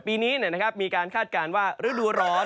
ปีนี้มีการคาดการณ์ว่าฤดูร้อน